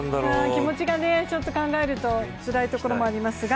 気持ちを考えるとつらいところがありますが。